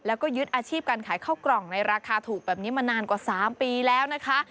แล้วก็ยึดอาชีพการขายข้าวกล่องในราคาถูกแบบนี้มานานกว่า๓ปีแล้วนะคะ